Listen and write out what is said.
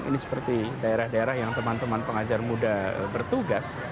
ini seperti daerah daerah yang teman teman pengajar muda bertugas